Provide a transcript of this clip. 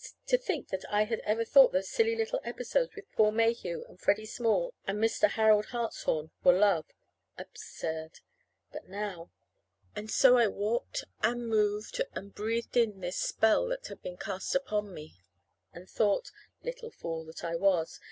To think that I ever thought those silly little episodes with Paul Mayhew and Freddy Small and Mr. Harold Hartshorn were love! Absurd! But now And so I walked and moved and breathed in this spell that had been cast upon me; and thought little fool that I was!